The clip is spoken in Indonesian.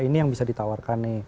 ini yang bisa ditawarkan